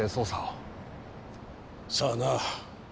さあな。